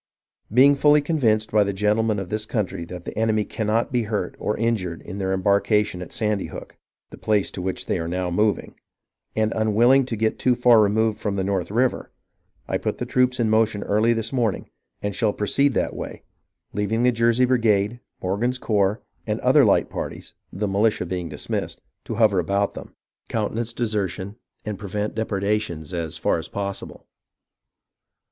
Being fully convinced by the genUemen of this country that the enemy cannot be hurt or injured in their embarkation at Sandy Hook (the place to which they are now moving), and unwilling to get too far removed from the North River, I put the troops in motion early this morning, and shall proceed that way, — leaving the Jersey Brigade, Morgan's corps, and other light parties (the militia being all dismissed) to hover about them, countenance MONMOUTH AND NEWPORT 24 1 desertion, and prevent depredations as far as possible.